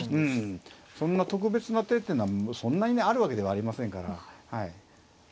そんな特別な手ってのはそんなにねあるわけではありませんから。